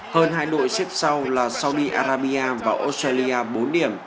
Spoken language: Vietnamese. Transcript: hơn hai đội xếp sau là saudi arabia và australia bốn điểm